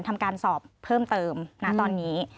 ทำการสอบเพิ่มเติมณตอนนี้